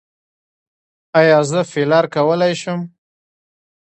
ایا زه فیلر کولی شم؟